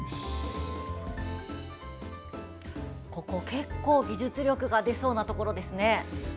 結構技術力が出そうなところですね。